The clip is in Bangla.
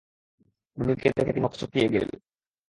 মুনিরকে দেখে তিনি হকচকিয়ে গেলেন।